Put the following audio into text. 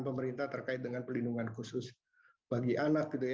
pemerintah terkait dengan perlindungan khusus bagi anak